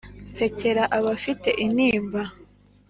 nsekere abafite intimba,